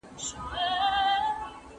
نړۍ پوهېږي چې افغان زعفران اصلي دي.